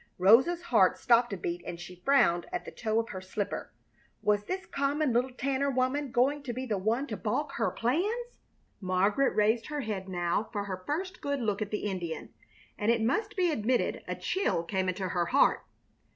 Rosa's heart stopped a beat and she frowned at the toe of her slipper. Was this common little Tanner woman going to be the one to balk her plans? Margaret raised her head now for her first good look at the Indian, and it must be admitted a chill came into her heart.